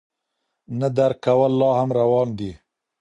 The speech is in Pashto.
نه درک کول لا هم روان دي.